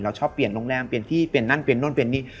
เราชอบเปลี่ยนโรงแรมเปลี่ยนที่เปลี่ยนนั่นเปลี่ยนนั่นนี่